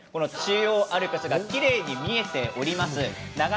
中央アルプスがきれいに見えています